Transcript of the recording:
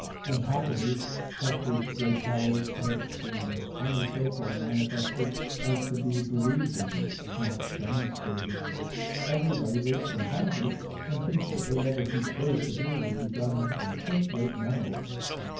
Unhappily, Touchwood's great powers have been only so far manifested as to be believed in, not demonstrated. Everybody rates them highly, and thinks that whatever he chose to do would be done in a first rate manner.